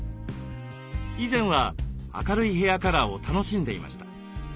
以前は明るいヘアカラーを楽しんでいました。